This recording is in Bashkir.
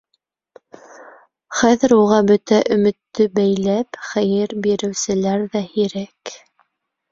Хәҙер уға бөтә өмөттө бәйләп хәйер биреүселәр ҙә һирәк.